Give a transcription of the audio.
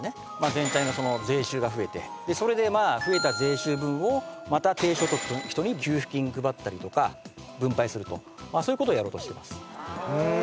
全体の税収が増えてそれで増えた税収分をまた低所得の人に給付金配ったりとか分配するとそういうことをやろうとしてます